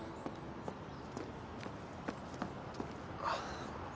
あっ。